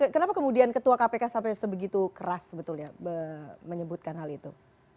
kenapa kemudian ketua kpk sampai sebegitu keras sebetulnya menyebutkan hal itu